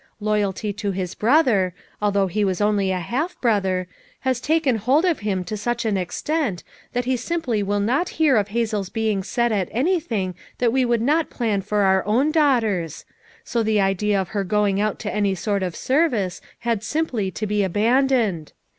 Loyalty to his brother — al though he was only a half brother — has taken hold of him to such an extent that he simply will not hear of Hazel's being set at anything that we would not plan for our own daughters ; so the idea of her going out to any sort of serv ice had simply to be abandoned.